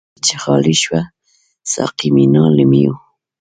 ګومان مه کړه چی خالی شوه، ساقی مينا له ميو